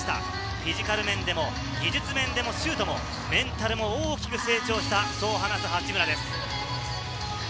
フィジカル面でも技術面でもシュートもメンタルも大きく成長したと話す八村です。